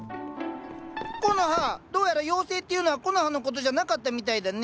コノハどうやら妖精っていうのはコノハのことじゃなかったみたいだね。